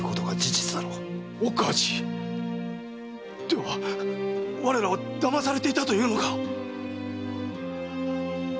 岡地！では我らは騙されていたというのか